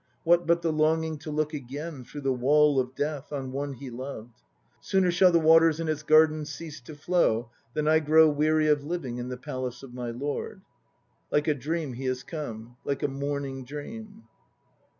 What but the longing to look again, through the wall of death, On one he loved? "Sooner shall the waters in its garden cease to flow Than I grow weary of living in the Palace of my Lord." 1 Like a dream he has come, Like a morning dream.